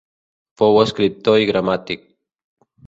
Fou escriptor i gramàtic.